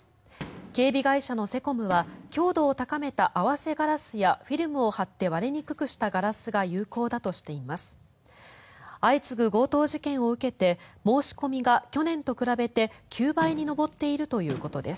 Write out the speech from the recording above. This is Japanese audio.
警備会社のセコムは強度を高めた合わせガラスやフィルムを張って割れにくくしたガラスが有効だとしています。